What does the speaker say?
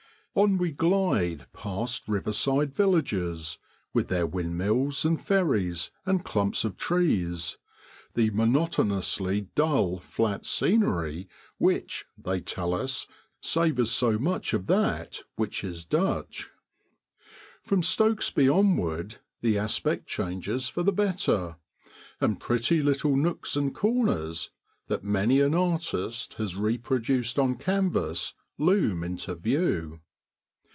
On we glide past riverside villages, with their windmills and ferries and clumps of trees the monotonously dull, flat scenery which, they tell us, savours so much of that which is Dutch. From Stokesby onward the aspect changes for the better, and pretty little nooks and corners, that many an artist has reproduced on canvas, loom into view.